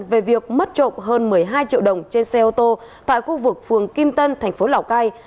về việc mất trộm hơn một mươi hai triệu đồng trên xe ô tô tại khu vực phường kim tân thành phố lào cai